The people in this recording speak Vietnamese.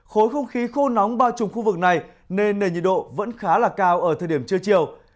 khối không khí khô nóng bao trùm khu vực này nên nền nhiệt độ vẫn khá là cao ở thời điểm trưa chiều